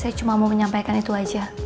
saya cuma mau menyampaikan itu aja